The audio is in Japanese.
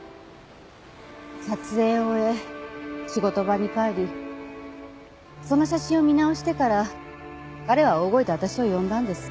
撮影を終え仕事場に帰りその写真を見直してから彼は大声で私を呼んだんです。